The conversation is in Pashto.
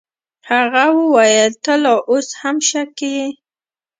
هغه وويل ته لا اوس هم شک کيې.